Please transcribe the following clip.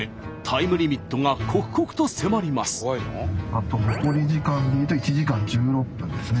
あと残り時間でいうと１時間１６分ですね。